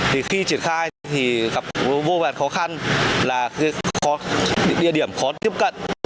thì khi triển khai thì gặp vô vàn khó khăn là địa điểm khó tiếp cận